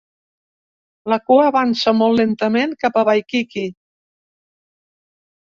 La cua avança molt lentament cap a Waikiki.